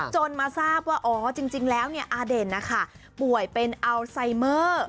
จนมาทราบว่าอ๋อจริงแล้วอาเด่นนะคะป่วยเป็นอัลไซเมอร์